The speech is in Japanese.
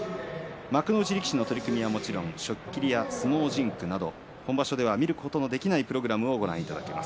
力士の取組はもちろん初っ切りや相撲甚句など本場所では見ることのできないプログラムをご覧いただけます。